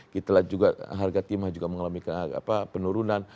kita lihat juga harga timah juga mengalami penurunan